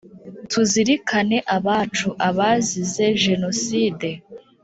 tuzirikane abacu abazize jenoside,